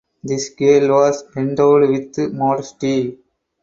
This girl was endowed with modesty.